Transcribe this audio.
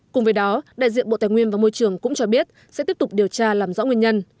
cùng với đó đại diện bộ tài nguyên và môi trường cũng cho biết sẽ tiếp tục điều tra làm rõ nguyên nhân